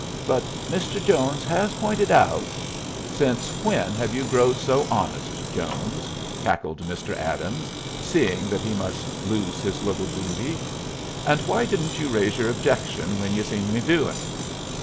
But Mr. Jones has pointed out " "Since when have you growed so honest, Jones?" cackled Mr. Adams, seeing that he must lose his little booty. "And why didn't you raise yer objections when you seen me do it?"